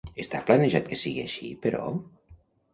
Està planejat que sigui així, però?